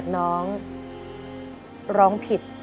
ดิ้นเว้ย